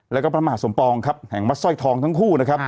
แล้วก็พระมหาสมปลองแห่งมัชซ่อยทองทั้งคู่